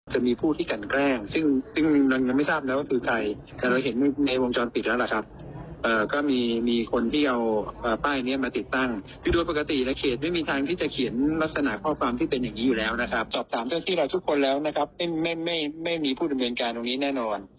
สอบถามที่เราทุกคนแล้วนะครับไม่มีผู้จำเวียงการตรงนี้แน่นอน